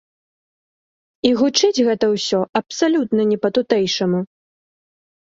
І гучыць гэта ўсё абсалютна не па-тутэйшаму.